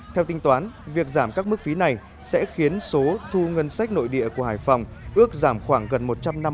theo tính toán việc giảm các mức phí này sẽ khiến số thu ngân sách nội địa của hải phòng ước giảm khoảng gần một trăm năm mươi